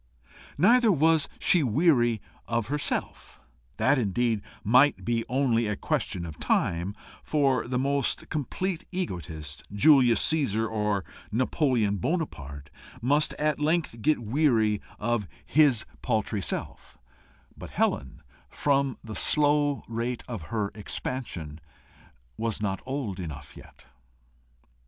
Neither was she weary of herself. That, indeed, might be only a question of time, for the most complete egotist, Julius Caesar, or Napoleon Bonaparte, must at length get weary of his paltry self; but Helen, from the slow rate of her expansion, was not old enough yet.